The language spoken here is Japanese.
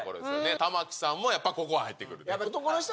玉置さんもやっぱここは入ってくる。